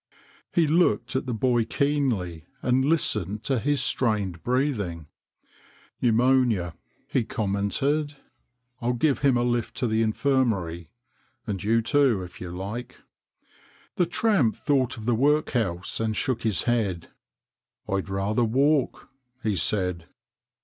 He looked at the boy keenly and listened to his strained breathing. "Pneumonia," he commented. "I'll give him a lift to the infirmary, and you, too, if you like." The tramp thought of the workhouse and shook his head. " I'd rather walk," he said.